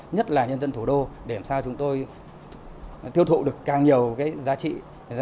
nhất là nhân dân thủ đô để làm sao chúng tôi tiêu thụ được càng nhiều cái giá trị